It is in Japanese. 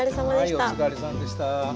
はいお疲れさまでした。